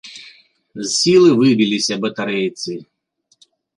З сілы выбіліся батарэйцы.